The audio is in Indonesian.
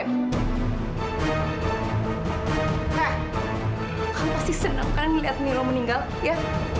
nah kamu pasti senang karena melihat nilo meninggal ya